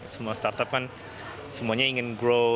semua startup kan semuanya ingin grow